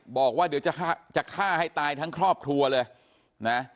บอกว่าเดี๋ยวจะฆ่าให้ตายทั้งครอบครัวเลยนะ